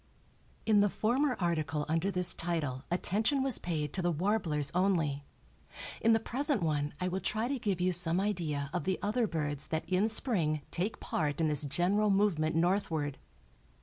In the former article under this title attention was paid to the warblers only. In the present one I will try to give you some idea of the other birds that in spring take part in this general movement northward.